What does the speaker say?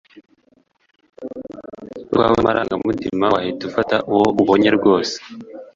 utwawe n’amarangamutima wahita ufata uwo ubonye rwose